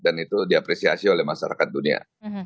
dan itu diapresiasi oleh masyarakat dunia